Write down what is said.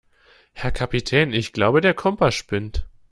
Herr Kapitän, ich glaube, der Kompass spinnt.